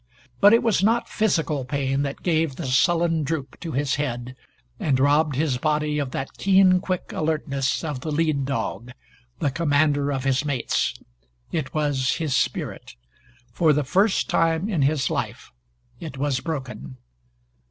But it was not physical pain that gave the sullen droop to his head and robbed his body of that keen quick alertness of the lead dog the commander of his mates. It was his spirit. For the first time in his life, it was broken.